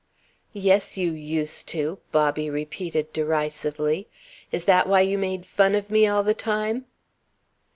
"Yes, you used to!" Bobby repeated derisively. "Is that why you made fun of me all the time?"